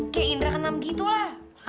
kayak indra ke enam gitu lah